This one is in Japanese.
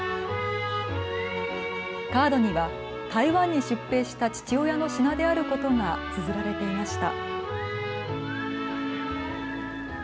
カードには台湾に出兵した父親の品であることがつづられていました。